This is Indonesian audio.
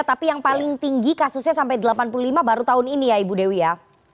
tapi yang paling tinggi kasusnya sampai delapan puluh lima baru tahun ini ya ibu dewi ya